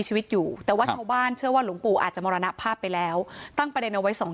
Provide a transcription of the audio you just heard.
หลวงปู่นั่นก็เจอลักษณะคล้ายกัน